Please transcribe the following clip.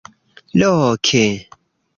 Loke.